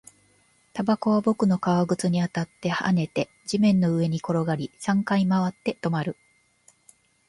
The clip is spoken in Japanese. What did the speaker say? タバコは僕の革靴に当たって、跳ねて、地面の上に転がり、三回回って、止まる